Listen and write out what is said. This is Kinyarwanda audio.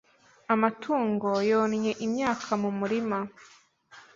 Amatungo yonnye imyaka mu murima.